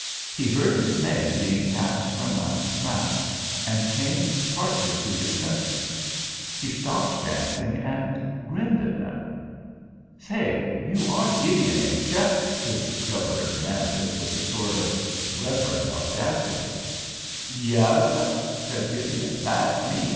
He heard his name being passed from mouth to mouth, and came partly to his senses. He stopped dancing, and grinned at them. "Say, you are Gideon, ain't you?" his discoverer demanded, with a sort of reverent audacity. "Yaas, seh," said Gideon; "that's me.